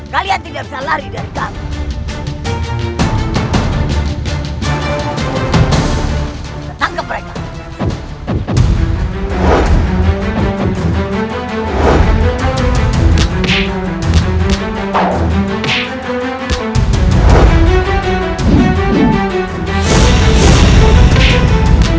kalian tidak bisa lari dari kami